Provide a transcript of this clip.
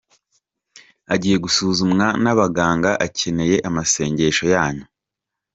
Agiye gusuzunwa n’ abaganga akeneye amasengesho yanyu.